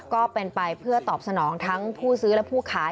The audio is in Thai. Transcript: ก็เป็นไปเพื่อตอบสนองทั้งผู้ซื้อและผู้ขาย